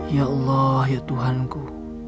ya allah ya tuhanku